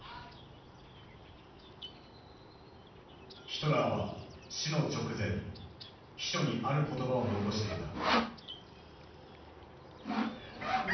ヒトラーは死の直前秘書にある言葉を遺していた。